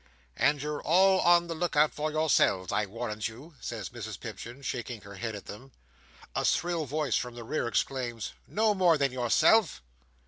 "And you're all on the look out for yourselves, I warrant you," says Mrs Pipchin, shaking her head at them. A shrill voice from the rear exclaims, "No more than yourself!"